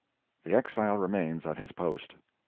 The exile remains at his post.